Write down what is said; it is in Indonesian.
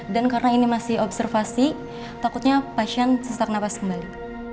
dan karena ini masih observasi takutnya pasien sesak nafas kembali